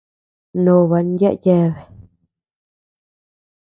Nooba yaʼa yeabea.